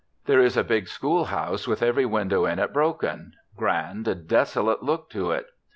There is a big schoolhouse with every window in it broken; grand, desolate look to it!